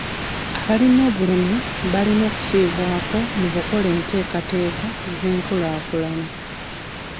Abalina obulemu balina okufiibwako mu kukola enteekateeka z'enkulaakulana.